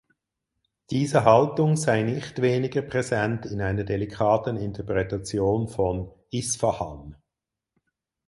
Diese Haltung sei nicht weniger präsent in einer delikaten Interpretation von „Isfahan“.